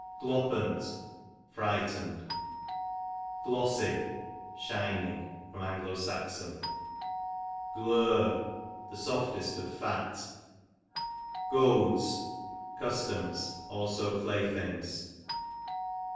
A. S. Glopp'nt, frightened. Glossy, shining. A. S. Glur, the softest of fat. Goads, customs; also pilay things.